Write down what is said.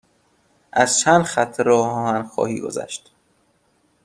از چند خط راه آهن خواهی گذشت.